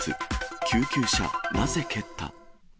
救急車、なぜ蹴った？